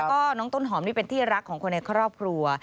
แล้วก็น้องต้นหอมนี่เป็นที่รักของคนในครอบครัว